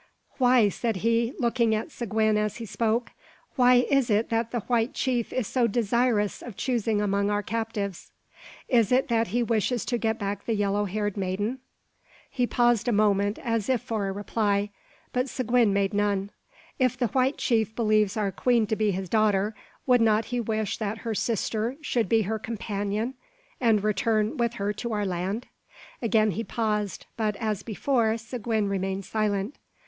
"Why," said he, looking at Seguin as he spoke, "why is it that the white chief is so desirous of choosing among our captives? Is it that he wishes to get back the yellow haired maiden?" He paused a moment, as if for a reply; but Seguin made none. "If the white chief believes our queen to be his daughter, would not he wish that her sister should be her companion, and return with her to our land?" Again he paused; but, as before, Seguin remained silent.